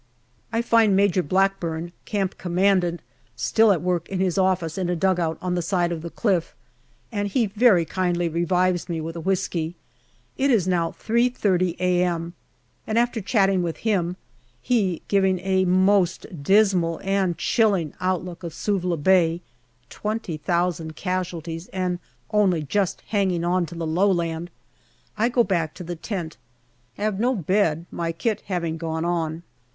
I find Major Blackburn, Camp Commandant, still at work in his office in a dugout on the side of the cliff, and he very kindly revives me with a whisky. It is now 3.30 a.m., and after chatting with him, he giving a most dismal and chilling outlook of Suvla Bay (20,000 casualties and only just hanging on to the low land), I go back to the tent. Have no bed, my kit having gone on.